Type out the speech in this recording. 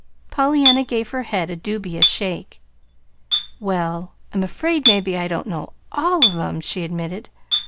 Pollyanna gave her head a dubious shake. "Well, I'm afraid maybe I don't know ALL of 'em," she admitted.